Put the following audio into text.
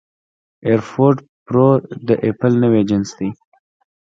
اېرفوډ پرو د اېپل نوی جنس دی